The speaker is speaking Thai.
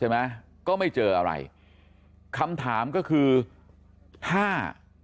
ใช่ไหมก็ไม่เจออะไรคำถามก็คือถ้า